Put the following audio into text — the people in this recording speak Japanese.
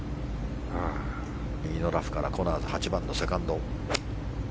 右のラフからコナーズ８番のセカンド。